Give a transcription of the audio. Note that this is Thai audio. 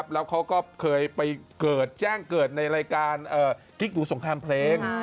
แล้วเขาก็เคยไปเกิดแจ้งเกิดในรายการกิ๊กบูสงครามเพลง